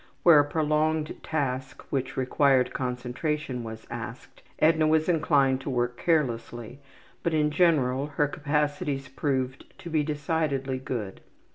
Where a prolonged task which required concentration was asked, Edna was inclined to work carelessly, but in general her capacities proved to be decidedly good.